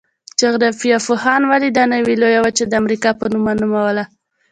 جغرافیه پوهانو ولې دا نوي لویه وچه د امریکا په نوم ونوموله؟